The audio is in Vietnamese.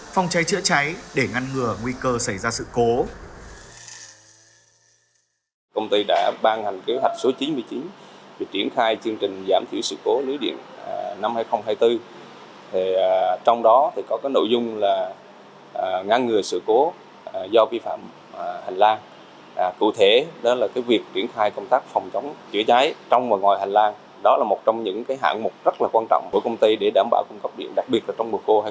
phòng cháy chữa cháy để ngăn ngừa nguy cơ xảy ra sự cố